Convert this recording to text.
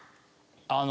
あの。